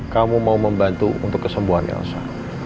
kamu mau membantu untuk kesembuhan elsa